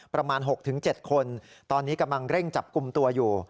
ประมาณ๖๗คนตอนนี้กำลังเร่งจับกลุ่มตัวอยู่